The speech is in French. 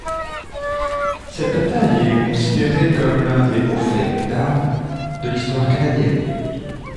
Cette bataille est considérée comme l'un des hauts faits d'armes de l'histoire canadienne.